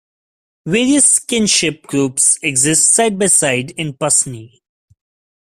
Various kinship groups exist side by side in Pasni.